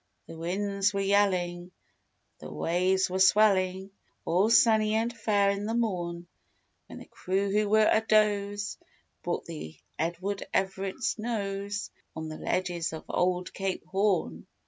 The winds were yelling, the waves were swelling All sunny and fair in the morn, When the crew who were adoze, brought the Edward Everett's nose On the ledges of Old Cape Horn.